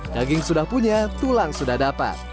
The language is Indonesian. daging sudah punya tulang sudah dapat